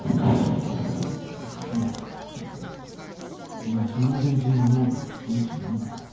お前お前島の連中に守られてるからっていい気になんなよ。